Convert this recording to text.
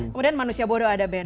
kemudian manusia bodo ada ben